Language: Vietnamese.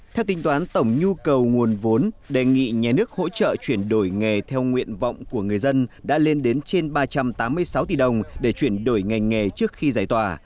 theo tính toán tổng nhu cầu nguồn vốn đề nghị nhà nước hỗ trợ chuyển đổi nghề theo nguyện vọng của người dân đã lên đến trên ba trăm tám mươi sáu tỷ đồng để chuyển đổi ngành nghề trước khi giải tỏa